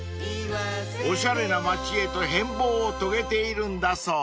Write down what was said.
［おしゃれな町へと変貌を遂げているんだそうです］